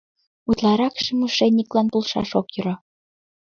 Утларакше мошенниклан полшаш ок йӧрӧ.